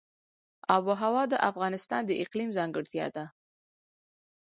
آب وهوا د افغانستان د اقلیم ځانګړتیا ده.